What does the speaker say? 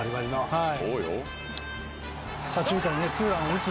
はい。